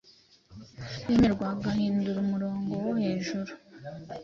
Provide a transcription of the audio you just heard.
yemerwahindura umurongo wohejuru